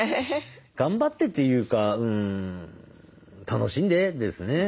頑張ってっていうか楽しんで！ですね。